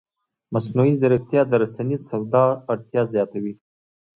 مصنوعي ځیرکتیا د رسنیز سواد اړتیا زیاتوي.